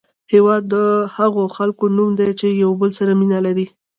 هېواد د هغو خلکو نوم دی چې یو بل سره مینه لري.